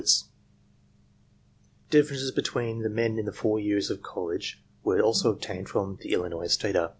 172 ARMY MENTAL TESTS \ Differences between the men in the four years of college were also obtained from the Illinois data.